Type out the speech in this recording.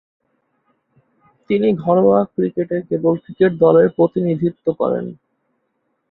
তিনি ঘরোয়া ক্রিকেটে কেরল ক্রিকেট দলের প্রতিনিধিত্ব করেন।